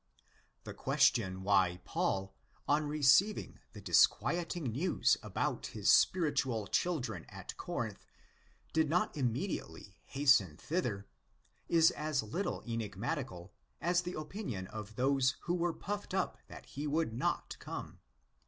The question why Paul, on receiving the disquieting news about his spiritual children at Corinth, did not immediately hasten thither, is as little enigmatical as the opinion of those who were puffed up that he would not "come."